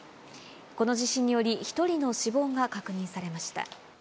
この地震により１人の死亡が確認されました。